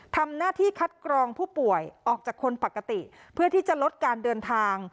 ทำหน้าที่คัดกรองผู้ป่วยออกจากคนปกติเพื่อที่จะลดการเดินทาง